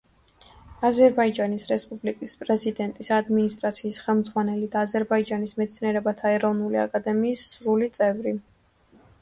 აზერბაიჯანის რესპუბლიკის პრეზიდენტის ადმინისტრაციის ხელმძღვანელი და აზერბაიჯანის მეცნიერებათა ეროვნული აკადემიის სრული წევრი.